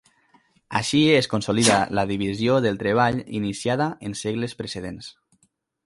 Així es consolida la divisió del treball iniciada en segles precedents.